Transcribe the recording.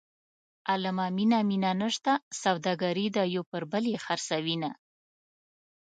عالمه مینه مینه نشته سوداګري ده یو پر بل یې خرڅوینه.